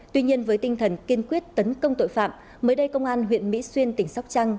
tuy nhiên với tinh thần kiên quyết tấn công tội phạm mới đây công an huyện mỹ xuyên tỉnh sóc trăng